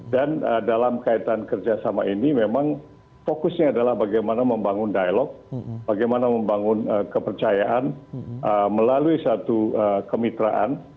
dan dalam kaitan kerjasama ini memang fokusnya adalah bagaimana membangun dialog bagaimana membangun kepercayaan melalui satu kemitraan